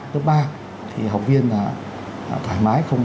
lớp ba thì học viên là thoải mái không